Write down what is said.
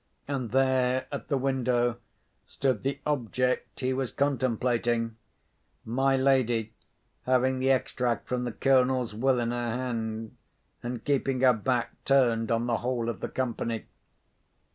And there, at the window, stood the object he was contemplating—my lady, having the extract from the Colonel's Will in her hand, and keeping her back turned on the whole of the company.